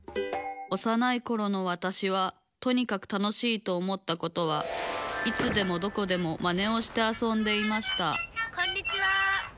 おさないころのわたしはとにかく楽しいと思ったことはいつでもどこでもマネをしてあそんでいましたこんにちは。